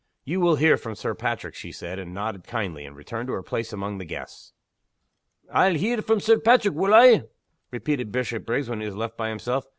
"You will hear from Sir Patrick," she said, and nodded kindly, and returned to her place among the guests. "I'll hear from Sir Paitrick, wull I?" repeated Bishopriggs when he was left by himself.